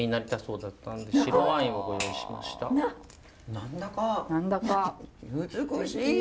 何だか美しい。